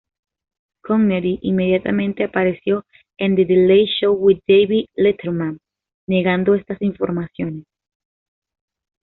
Connery inmediatamente apareció en "The Late Show with David Letterman" negando estas informaciones.